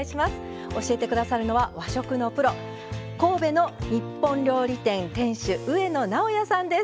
教えて下さるのは和食のプロ神戸の日本料理店店主上野直哉さんです。